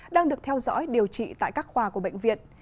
đang được theo dõi điều trị tại các khoa của bệnh viện